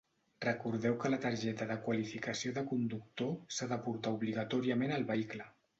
Recordeu que la targeta de qualificació de conductor s'ha de portar obligatòriament al vehicle.